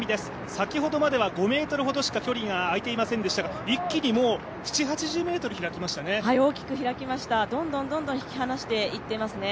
先ほどまでは５ｍほどしか距離が開いていませんでしたが、一気に７０８０ｍ開きましたね。